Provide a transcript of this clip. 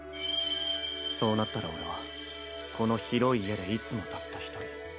そうなったら俺はこの広い家でいつもたった１人。